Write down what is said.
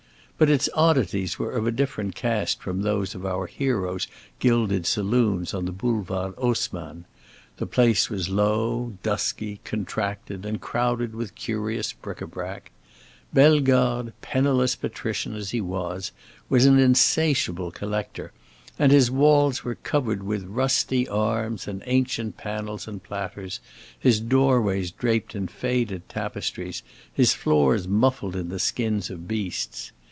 But its oddities were of a different cast from those of our hero's gilded saloons on the Boulevard Haussmann: the place was low, dusky, contracted, and crowded with curious bric à brac. Bellegarde, penniless patrician as he was, was an insatiable collector, and his walls were covered with rusty arms and ancient panels and platters, his doorways draped in faded tapestries, his floors muffled in the skins of beasts.